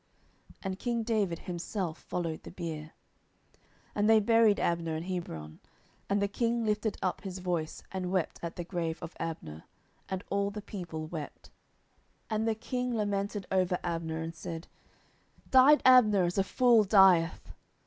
And king David himself followed the bier. 10:003:032 And they buried Abner in Hebron: and the king lifted up his voice, and wept at the grave of Abner; and all the people wept. 10:003:033 And the king lamented over Abner, and said, Died Abner as a fool dieth?